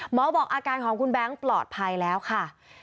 บอกอาการของคุณแบงค์ปลอดภัยแล้วค่ะ